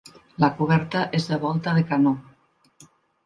La coberta és de volta de canó.